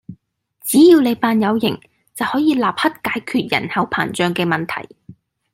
只要你扮有型，就可以立刻解決人口膨脹嘅問題